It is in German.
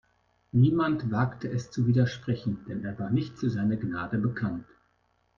Niemand wagte es zu widersprechen, denn er war nicht für seine Gnade bekannt.